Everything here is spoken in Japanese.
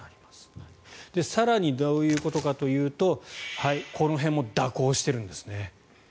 更に、どういうことかというとこの辺も蛇行しているんですね。